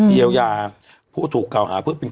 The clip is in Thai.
เยียวยาผู้ถูกกล่าวหาเพื่อเป็น